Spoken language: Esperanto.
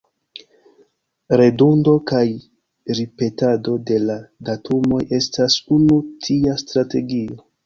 Redundo kaj ripetado de la datumoj estas unu tia strategio.